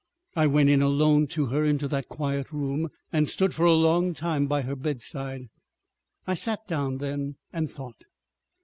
I went in alone to her, into that quiet room, and stood for a long time by her bedside. I sat down then and thought.